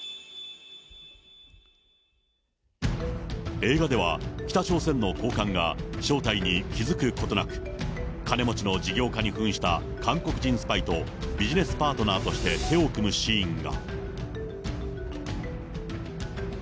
映画では北朝鮮の高官が正体に気付くことなく、金持ちの事業家にふんした韓国人スパイとビジネスパートナーとして、手を組むシーンが。